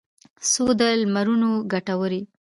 څو د لمرونو کټوري